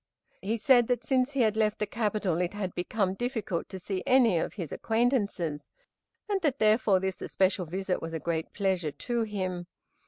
He said that since he had left the capital it had become difficult to see any of his acquaintances, and that therefore this especial visit was a great pleasure to him.